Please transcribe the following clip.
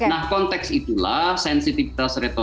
nah konteks itulah sensitivitas retoris itu bukan apa apa